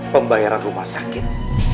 pembayaran rumah sakit